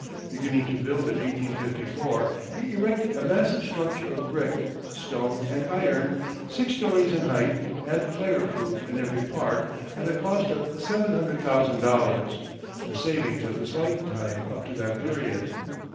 Beginning to build in 1854, he erected a massive structure of brick, stone, and iron, six stories in height, and fire proof in every part, at a cost of seven hundred thousand dollars, the savings of his lifetime up to that period.